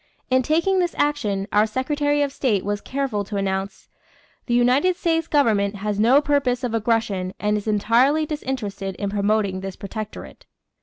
In taking this action, our Secretary of State was careful to announce: "The United States government has no purpose of aggression and is entirely disinterested in promoting this protectorate."